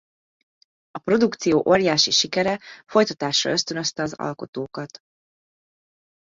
A produkció óriási sikere folytatásra ösztönözte az alkotókat.